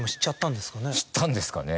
知ったんですかね？